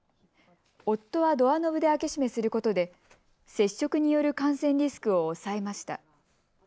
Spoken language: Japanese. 夫はドアノブで開け閉めすることで、接触による感染リスクを抑えました。